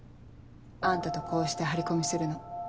あんたとこうして張り込みするの。